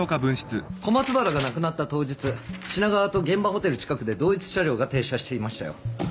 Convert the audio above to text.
小松原が亡くなった当日品川と現場ホテル近くで同一車両が停車していましたよ。